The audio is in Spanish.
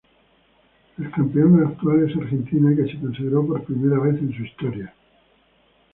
El campeón actual es Argentina que se consagró por primera vez en su historia.